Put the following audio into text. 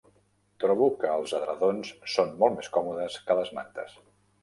Trobo que els edredons són molt més còmodes que les mantes